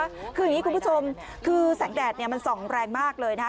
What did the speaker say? คืออย่างนี้คุณผู้ชมคือแสงแดดเนี่ยมันส่องแรงมากเลยนะคะ